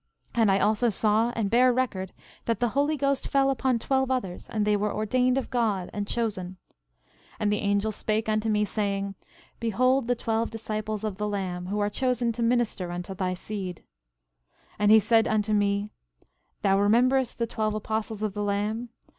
12:7 And I also saw and bear record that the Holy Ghost fell upon twelve others; and they were ordained of God, and chosen. 12:8 And the angel spake unto me, saying: Behold the twelve disciples of the Lamb, who are chosen to minister unto thy seed. 12:9 And he said unto me: Thou rememberest the twelve apostles of the Lamb?